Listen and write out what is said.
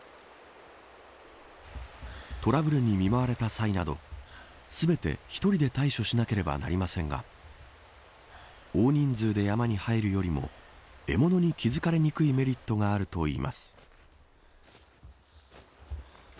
トラブルに見舞われた際など全て１人で対処しなければなりませんが大人数で山に入るよりも獲物に気付かれにくいメリットがあるといいます。